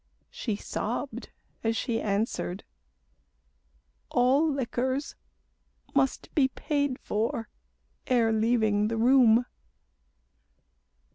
She sobbed, as she answered, "All liquors Must be paid for ere leaving the room."